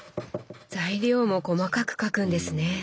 材料も細かく書くんですね。